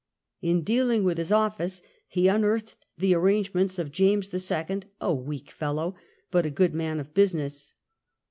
In dealing with his office he unearthed the arrangements of James the Second, a " weak fellow," but a good man of business.